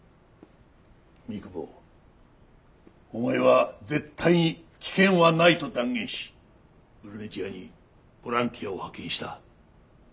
三窪お前は絶対に危険はないと断言しブルネジアにボランティアを派遣した。